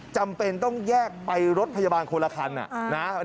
จำเป็นต้องแยกไปรถพยาบาลคนละคันนะ